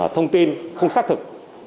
thông tin không xác thực